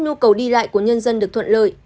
nhu cầu đi lại của nhân dân được thuận lợi